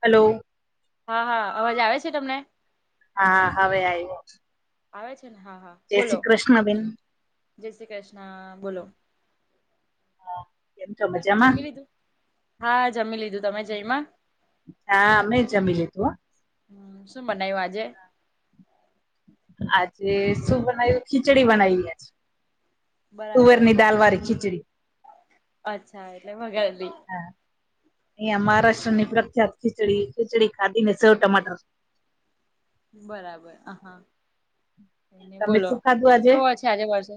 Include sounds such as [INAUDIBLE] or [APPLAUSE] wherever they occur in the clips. Hello. હા હા અવાજ આવે છે તમને. હા હવે આવ્યો. આવે છે ને હા હા. જય બોલો શ્રી કૃષ્ણ બેન. જય શ કૃષ્ણ બોલો. હા, કેમ છો મજામાં જમી લીધું હા જમી લીધું તમે જઈમાં. હા અમે જમી લીધુ હ. શું બનાવ્યું આજે. આજે શું બનાવ્યું ખીચડી બનાવી છે. બરાબર ખીચડી અચ્છા એટલે વગેરી. અહં મહારાષ્ટ્ર ની પ્રખ્યાત ખીચડી ખીચડી ખાધી ને સૌ ટમાટર. બરાબર હ હા એ તમે બોલો શું ખાધું આજે કેવો છે. ચારે વર્ષે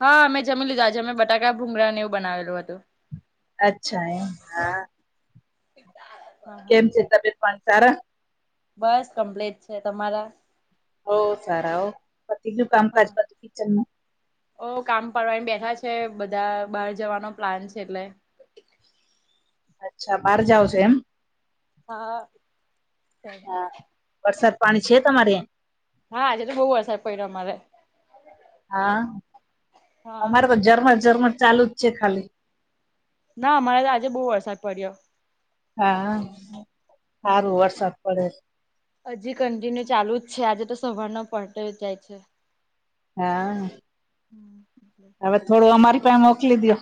હા મેમે જમી લીધા છે અમે બટાકા ભૂંગરાને એવું બનાવેલું હતું. અચ્છા એમ હા. હા [UNINTELLIGIBLE] કેમ છે તબિયત પણી સારા. બસ કમ્પ્લીટ છે તમારા ઓ સારા હો પતિજું કામકાજ હા પતું કિચનમાં. ઓ કામ પડવા બેઠા છે બધા બહાર જવાનો પ્લાન છે એટલે. અચ્છા બહાર જાાવ છો એમ. હા. હા વરસાદ પાણી છે તમારે. હા આજે તો બહુ વરસાદ પડ્યો અમારે. હા હા અમારે તો ઝરમ જઝરમ ચાલુ જ છે ખાલી. ના અમારે તો આજે બહુ વરસાદ પડ્યો. હા હમ. સારું વરસાદ પડે છે. હજી કન્ટિન્યુ ચાલુ જ છે આજે તો સવાર ના પટતો જાય છે. હા. [UNINTELLIGIBLE] હવે થોડું અમારી પાસે મોકલી દો.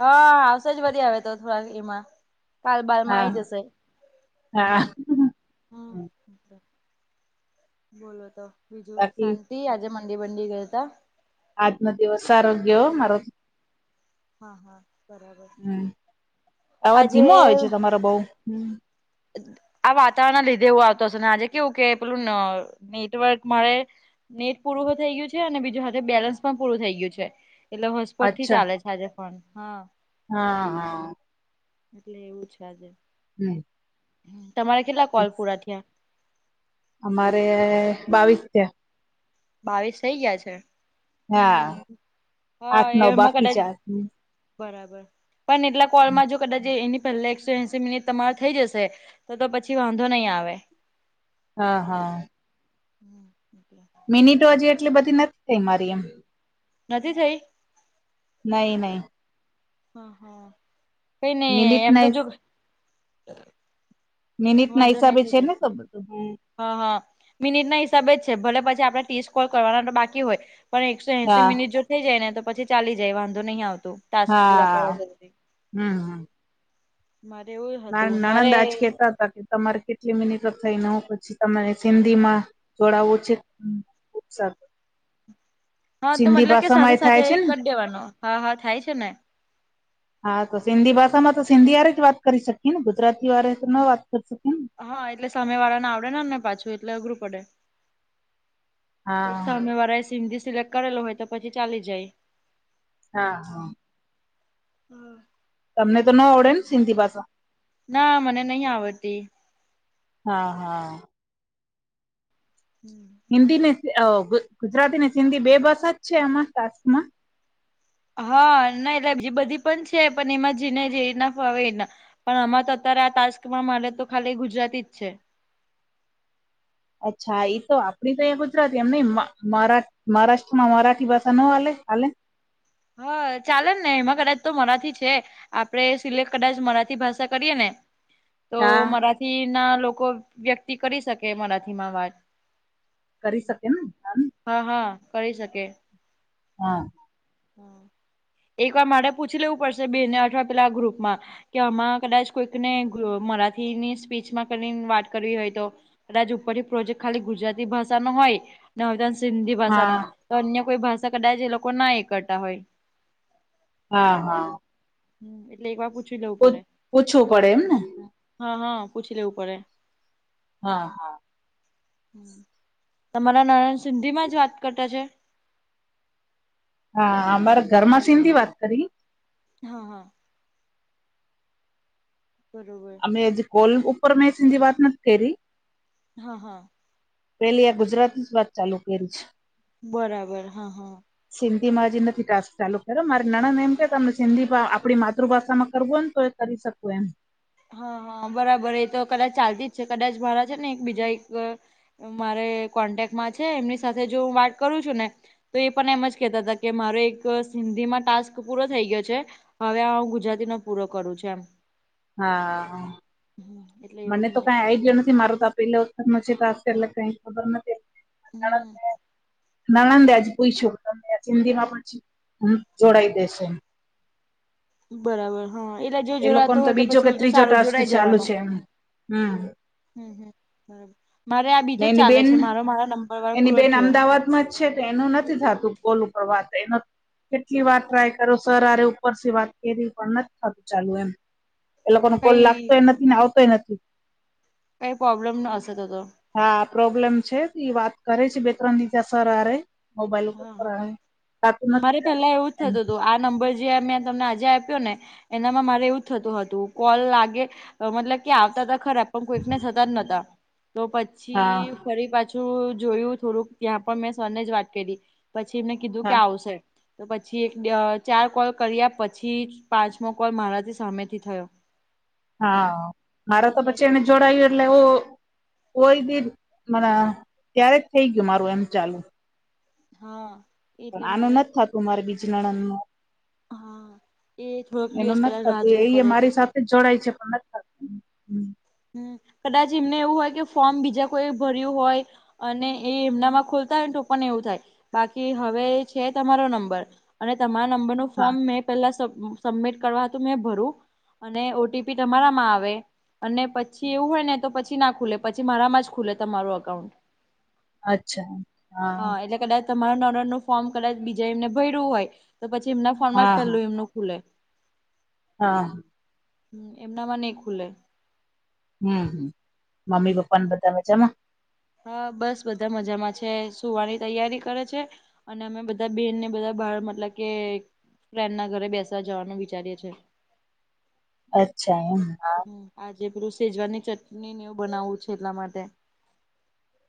હા આવશે જ વધી આવે તો થોડા એમાં. કાલબાલમાં હા આવી જશે. હા હમ બોલો તો બીજું બાકી શાચે. પી આજે મંડી બંડી ગયા તા. આજનો દિવસ આરોગ્ય હો મારો. હા હા. બરાબર. હમ આવાજ આજે ધીમો આવે છે તમારો બઉ હમ આ વાતાવરણ ના લીધે એવું આવતો હશે ને આજે કેવું કે પેલું નેટવર્ક મળે નેટ પૂરું થઇ ગયું છે અને બીજું હાથે બેલેન્સ પણ પૂરું થઇ ગયું છે. એટલે હોસ્પટ થી અચ્છા ચાલે છે આજે પણ હા. હા હા. એટલે એવું છે આજે હમ તમારે કેટલા બાકી કોલ પૂરા થયા. અમારે બાવીસ થયા. બાવીસ થઈ ગયા છે હમ હા હમ હા આઠ નવ એમાં બાકી કદાચ. છે હમ, બરાબર પણ એટલા હમ. કોલમાં જો કદાચ એની પહેલા એકસો એસી મિનિટ તમારો થઇ જશે તો તો પછી વાંધો નહીં આવે. હા હા. હમ એ. મિનિટો હજી એટલી બધી નથી થઈ મારી એમ. નથી થઈ. નહી નહી. હ હા કઈ ને મિનિટ એમ ના તો જો. નિનિત ના વાંધો નહી હિસાબે થઈ છે ને જશે તો બધું હ. હા હા મિનિટ ના હિસાબે જ છે ભલે પછી આપણે ીસ્ટ કોલ કરવાના તો બાકી હોય. પણ એકસો એસી હા મિનિટ જો થઈ જાય ને તો પછી ચાલી જાય વાંધો નહીં આવતું. ટસ્ક પૂરા હા કરવા જરૂરી હમ મારે એવું. ના હતું મારે નણંદાજ કેતા હતા કે. તમારે કેટલી મિનિટ થઈને હ પછી તરે સિંધી માં જોડાવું છે. ઉત્સાફ. હા તો મતલબ કે ભાષામાં સાથે એ થાય સાથે છે ને કરી દેવાનો હા હા થાય છે ને. હા તો સિંધી ભાષામાં તો સિંધી વાળે જ વાત કરી શકીએ ને ગુજરાતી વાળ તો ન વાત કરી શકીએ ને. હા એટલે સમય વાળાને આવડે ને ને પાછું એટલે અઘરું પડે. કોઈ હા સામે વાળા સિંધી સિલેક્ટ કરેલોું હોય તો પછી ચાલી જાય. હા હા. હા. તમને તો ન આવડે ને સિંધી ભાષા. ના મને નહ આવડતી. હા હા. હિન્દી ને ગુજરાતી ને સિંધી બે ભાષા જ છે આમાં ક્સમાં. હા ના એટલે બી બધી પણ છે પણ એમાં જને જે નાફાવેને. પણ આમાં તો અત્યારે આ ટાસ્કમાં મારે તો ખાલી ગુજરાતી જ છે. અચ્છા એ તો આપડી તો અહીંયા ગુજરાતી એમ મરા મહારાષ્ટ્રમાં મરાઠી ભાષા ન હાલે હાલે. હા ચાલે ને એમાં કદાચ તો મારાથી છે. આપડે સિલે કદાચ મરાઠી ભાષા કરીએ ને. તો હા મરાઠી ના લોકો વ્યક્તિ કરી શકે મરાઠીમાં વાત. કરી શકે ને. હા હા કરી શકે. હા. [INAUDIBLE] એક વાર મારે પૂછી લેવું પડશે બે ને અઠવા પેલા આ ગ્રુપ માં. કે આમાં કદાચ કોઈકને મરાઠીની સ્પીચમાં કરીને વાત કરવી હોય તો. કદાજ ઉપરથી પ્રોજેક્ટ ખાલી ગુજરાતી ભાષા નો હોય. ન સિંધી ભાષા ન હા તો અન્ય કોઈ ભાષા કદાચ એ લોકો ના ળતા હોય. હા હા. હ એટલે એક વાર પૂછી લેવું પડે પૂ- પૂછવું પડે એમ ને હા હા પૂછી લેવું પડે. હા હા. તમારા નાનાણ સિંધી માં જ વાત કરતા છે. હા અમારે ઘરમા સિી વાત કરી. હા. [INAUDIBLE] અ કોલ ઉપર સધી વાત નથી ખરી. હા. પેલી આ ગુજરાતી જ વાત ચાલુ કરી છે. બરાબર હા હા. સિન્ંધી માં હજી નથી ટાસ્ક ચાલુ કર્યો મારે નાણા ને એમ કે તમનેિંધી આપણી માૃભાષામાં કરવું હો ને તો. કરી શકું એમ. હા હા બરાબર એ તો કદાચ ચાલતી જ છે કદાચ મારા છે ને એક બીજા એક મારે કોન્ટેકમાં છે એમની સાથે જો હું વાત કરું છું ને. તો એ પણ એમ જ કેહેતા હતા કે મારો એક સિંધીમાં ટાસ્ક પૂરો થઈ ગયો છે. હવે આ હું ગુજરાતીનોો પૂરો કરું છું એમ. હા એટલે એવું મને તો કઈ આઈડયો નથી મારું ત પલા ઉતમ વછી પાસ કરલા કઈ ખબર નથી. હમ નનદ આજે પૂ યછું તમને હિન્દી માં પછી જોડાઈ દેશે. બરાબર. હા એટલે જો એ જોડાતો લોકોને તો હોય બીજો પછી કે ઉલટું ત્રીજો સારું ટાસ્ક ચાલુ છે એમ હમ્મ. હમ્મ હ બરાબર મારે આ ને બીજો જ એની ચાલે બેન છે મારો મારો નંબર વાર એની પૂરો બેન થયો. અમદાવાદમાં છે તો એનું નથી થતું કોલ ઉપર વાત એનો કેટલી વાત ટ્રાય કરો સર અરે ઉપરથી વાત કરવી પણ નથી ખતું. ચાલુ એમ એ લોકો ન કોલ કઈ લાગતોય નથી ને આવતોય નથી. કઈ પ્રોબ્લેમ ન ત તો. હા પ્રોબ્લેમ છે વાત કરે છે બે ત્રણ નીચા સર હે મોબાઈલ ઉપર હા હા કર રાતું નથી મારે ક પેલા એવું જ થતું હતું આ નંબર જે મેં તમને આજે આપ્યો ને એનામાં મારે એવું થતું હતું કોલ લાગે. મતલબ કે આવતા ત ખરા પણ કોઈકને થતા જ નતા તો હા પછી. ફરી પાછું જોયું થોડુંક ત્યાં પણ મેં સરને જ વાત કરી પછી એમને કીધું કે હા આવશે. તો પછી એક ચાર કોલ કર્યા પછી પાંચમો કોલ મારાથી સામેથી થયો. હા મારે તો પછી એને જોડાય. એટલે કોય દીર મને ત્યારે જ થઈ ગયું મારું એમ ચાલુ હા. પણ એટલે આનું મારે નથી થતું મારે બીજ નણંદું. હા એ થોડોક દિવસ એનું કદાચ રાહ જોવી નથીતું એ પડે મારી સાથે જોડાય છે પણ હમ્મ કદાચ એમને એવું હોય કે ફોર્મ બીજા કોઈ ભર્યું હોય. અને એ એમનામાં ખોલતા હો ને તો પણન એવું થાય બાકી હવે છે તમારો નંબર અને તમારા નંબર ન હા ફોર્મ મેપ. પેલા સબમિટ કરવા હતું મેં ભરું અને ઓટીપી તમારામાં આવે. અને પછી એવું હોય ને તો પછી ના ખુલે પછી મારામાં જ ખુલે તમારું અકાઉન્ટ હા એટલે કદાચ તમાર નનર નું ફોર્મ કદાચ બીજા એમને ભરવું હોય તો પછી એમના ફોર્મમાં જ હા હા પેલું એમનું ખુલે હા. હ એમના માં નહ ખુલે હમ્મ હમ્મ મમ્મી હ પપ્પા ને બધા મજામાં? હા બસ બધા મજામાં છે સુવાની તૈયારી કરે છે. અને અમે બધા બેનને બધા બાર મતલબ કે ફ્રેન્ડ ના ઘરે બેસવા જવાનું વિચારીએ છીએ. અચ્છા એમ હ. આજે પેલું સેજવાની ચટણી ને એવું બનાવવું છે એટલા માટે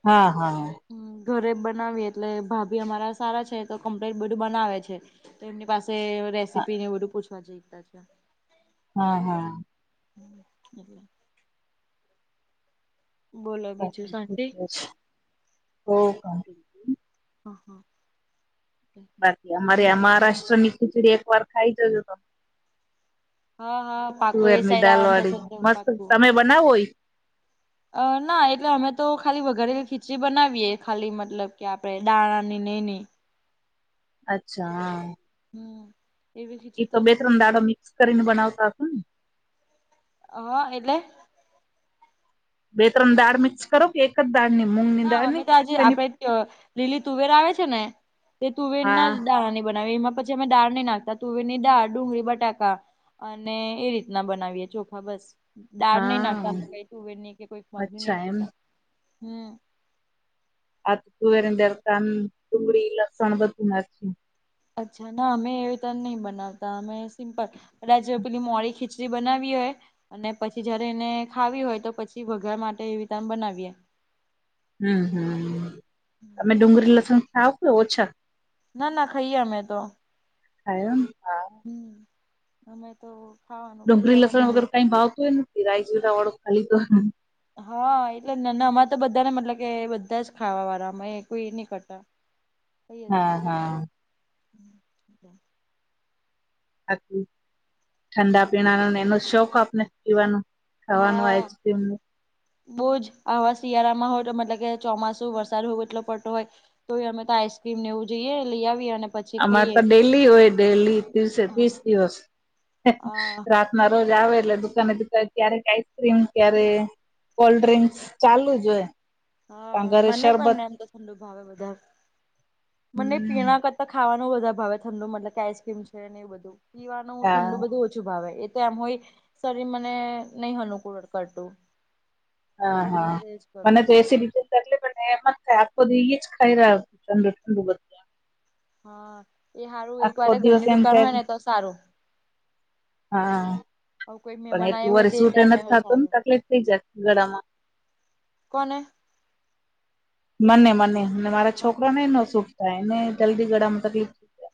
હા હા. હમ્મ, ઘરે જ બનાવીએ એટલે ભાભી અમારા સારા છે તો કમ્પ્લીટ બધું બનાવે છે. તો એમની પાસે હા રેસીપી ને બધું પૂછવા જઈતા છે. હા હા. હમ્મ, [UNINTELLIGIBLE] બોલો બીજું શાંતિ [UNINTELLIGIBLE] હ હા. બાકી અમારે આ મહારાષ્ટ્ર ની ખીચડી એક વાર ખાઈ જજો તમે. હા હા પાકું તુવેર એ ની સાઈડ દાલ આવવાનું વાળી થશે તો મસ્ત, પાકું તમે બનાવો ઈ? અ ના એટલે અમે તો ખાલી વઘારેલી ખીચડી બનાવીએ ખાલી મતલબ કે આપડે દાણા ની ને એની. અચ્છા હા. હમ્મ. એ તો બે ત્રણ દાડો મિક્સ કરીને બનાવતા હતા ને? હા એટલે બે ત્રણ દાળ મિક્સ કરો કે એક જ દાળની મુ ના અમે તો આજે આપડે લીલી તુવેરા આવે છે ને તે તુવેર ના હા દાળા ની બનાવી એમાં પછી અમે દાળ નહી નાખતા તુવેર ની દાળ, ડુંગળી, બટાકા અને એ રીતના બનાવીયે ચોખા બસ દાળ નહી હા નાખતા કઈ તુવેર ન કે કોઈ મગની નહી અચ્છા એમ નાખતા. હમ્મ. આ તુવેર ને દર કા ડુંગળી લસણ બધું નાખ. અચ્છા ના અમે એવી રીત નહી બનાવતા અમે સિમ્પલ કદાચ પેલી મોડી ખીચડી બનાવી હોય અને પછી જયારે એને ખાવી હોય તો પછી વઘાર માટે એ રીતે બનાવીએ. હમ્મ હમ્મ, તમે ડુંગળી લસણ ખાવ કે ઓછા? ના ના ખાઈએ અમે તો. ખાઈ હો હા. હમ્મ, અમે તો ખાવાનું ડુંગરી બધામાં લસણ તો વગેર કંઈ ભાવતું હોય નથી રાય જીરા વાળુ ખાઈ તો હા એટલે ના ના અમાં તો બધાને મતલબ કે બધા જ ખાવા વાળા અમે કોઈ એ નહી કરતા કઈ હા હા. હ ઠંડા પીણાનોને એનો શોખ આપને પીવાનો? ખાવાનું હા આઈસક્રીમ બહુ જ આવા શિયાળામાં હોય મતલબ કે ચોમાસુ વરસાદ હોવું એટલો પડતો હોય તોય અમે તો આઈસક્રીમ એવું જોઈએ લઈ આવીએ અને પછી અમારે તો ખાઈએ ડેલી હોય ડેલી ત્રીસે ત્રીસ દિવસ હા રાત ના રોજ આવે એટલે દુકાને દુકા ક્યારે આઈસક્રીમ ક્યારે કોલ્ડ્રિંક્સ ચાલુ જ હોય. પણ હા ઘરે મને પણ શરબત નેમ તો ઠંડુ ભાવે બધા, મને હમ પીણા કર ખાવાનું બધા ભાવે ઠંડુ મતલબ કે આઈસક્રીમ છે ને એ બધું પીવાનું ઠંડુ હા બધું ઓછું ભાવે. કેમ હોય શરીર મને નહી અનુકૂરણ કરતું. હા એટલે હા વધારે એજ કરું મને તો મેં એ સી ડી ટી એટલે બને મતલબ આખો દિ એ જ ખાઈ રહ ચંડુ ઠંડું. હા એ સારું એક આખો વાર દિવસ ઘરની એમ દુકાન થાય હોય ને તો સારું. હા હ કોઈ પણ મહેમાન એટલું આવ્યો હોય વાર તે સૂટે ટાઈમે નથી હોય ખાતું ને સારું તકલીફ થઇ જાય ગળામાં. કોને? મને મને મારા હા છોકરા હા ને એ ન સુટ થાય એને જલ્દી ગળામાં તકલીફ થઈ જાય.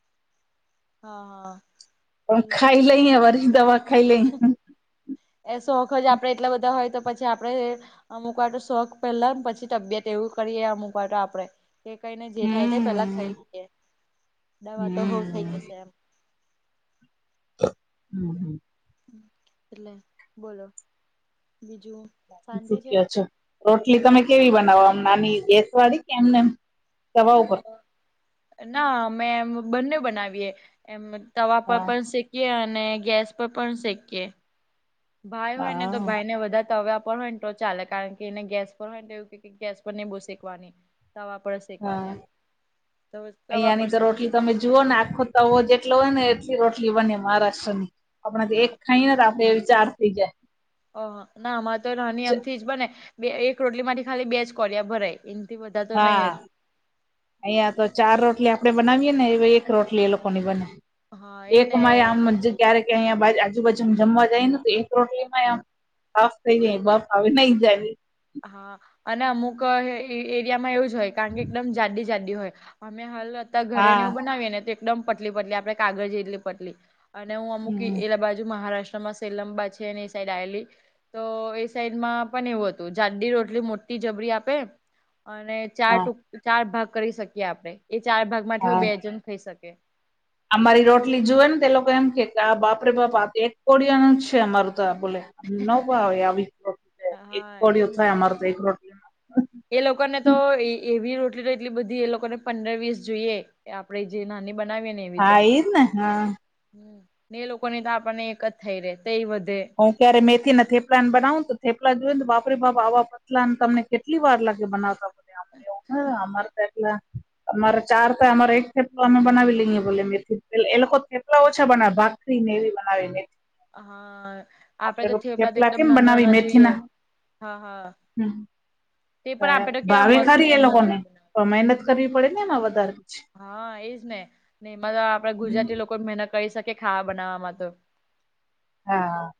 હા હા પણ ખાઈ લઈએ વરી દવા ખાઈ લઈ. એ શોખ જ આપણેે એટલા બધા હોય તો પછી આપડે. અમુક વાટો શોખ પેલા ને પછી તબિયત એવું કરીએ અમુક વાટો આપડે. કે કઈને જે થાય પેલા હમ થઈ હમ દવા તો હો થઈ જશે એમ. હમ, હમ. એટલે બોલો બીજું? બાકી શાંતિ શું છે. કવો છો? રોટલી તમે કેવી બનાવો આમ નાની ગેસ વાળી કે એમને તવા ઉપર ના અમે એમ બંને બનાવીએ એમ તવા પર હા પણ શીખ એ અને ગેસ પર પણ શેકીએ ભાઈ હોય ને તો હા ભાઈ ને બધા તવા પણ હોય. ચાલે કારણ કે એને ગેસ પર હોય બવું ગેસ પર નહી શકવાની તવા શેખવાની હા એમ તો તવા પર અહિયાંની તો શકીએ. રોટલી તમે જુઓ ને આખો તવો જેટલો હોય ને એટલી રોટલી બને મહારાષ્ટ્ર ની આપણા એક ખાઈને રાતે એ ચાર ખઈ જાય. ઓહ ના આમારે તો રાની આમ થી જ બને બે એક રોટલી માંથી ખાલી બે જ કોલિયા ભરાય. એમથી બધા તો નહી જ હા. અહિયાં તો ચાર રોટલી આપણે બનાવીય ને એક રોટલી એ લોકોની બને. હા એ એક ને આમ ક્યારેક અહીયા આજુબાજુ જમવા જાય ને તો એક રોટલીમાંય આમ બાફ થઈ જાય બાફ આવે નહી જાય. હા, અને અમુક એરિયામાં એવું જ હોય કારણ કે એકદમ જાડી જાડી હોય અમે હાલ અ ઘરે હા ને એવું બનાવીએ ને એકદમ પટલી પટલી આપણે કાગળ એટલી પટલી અને હું અમુક હમ એ બાજુ મહારાષ્ટ્રમાં લંબા છે એ સાઈડ આવેલી તો એ સાઈડ માં પણ એવું હતું. જાડી રોટલી મોટી જબરી આપે. અને ચાર હા ટૂક ચાર ભાગ કરી શકીએ આપડે એ ચાર ભાગ માંથી હા બે જન ખાઈ શકીએ. અમારી રોટલી જુવે ને તે લોકો એમ કે કે આ બાપરે બાપ આ એક કોડિયાનું જ છે અમારું તો આ બોલે. આમ ન ભાવે આવી રોટી એક હા એજ કોડીયો થાય ને અમારે તો એક રોટી એ લોકોને તો એવી રોટલી તો એટલી બધી એ લોકોને પંદર વીસ જોઈએ આપણે જે નાની બનાવીએ ને એવી તો. હા એજ ને હા હા, એ લોકો ની તો આપણને એક જ થઈ રે તે એ વધે. હું ક્યારે મેથી ને થેપલા ને બનાવું તો થેપલાન જોઈને બાપરે બાપ આવા અટલા તમને કેટલી વાર લાગે બનાવતા અમને એવું અમારે તો એટલે અમારે ચાર તોય અમારે એક થેપલો અમે બનાવી લઈએ બલે મેથી એ લોકો થેપલા ઓછા બનાવે ભાગ ભાખરીને એવી બનાવેને હા. આપડે તો થેપડા તો થેપલા એકદમ કેમ નાના બનાવી નાના જોઈએ મેથીના હા, હા. હમ તે પણ આપે તો કેવા ભાવે મસ્ત ખરી એ નાના, લોકોને નાના. મહેનત કરવી પડે ને એમાં વધારે છે. હા, એજને ને એમાં આપણા ગુજરાતી લોકો મહેનત કરી શકે ખાવા બનાવવામાં તો. હા, હા.